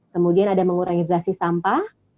kemudian ada mengurangi drasi sampah